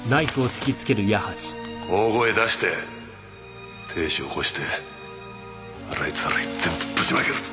大声出して亭主起こして洗いざらい全部ぶちまけるぞ。